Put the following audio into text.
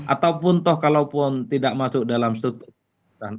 ataupun toh kalaupun tidak masuk dalam struktur